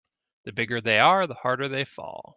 The bigger they are the harder they fall.